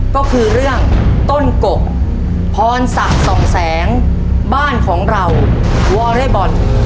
ก็คือเรื่องต้นกกพรศักดิ์ส่องแสงบ้านของเราวอเรย์บอล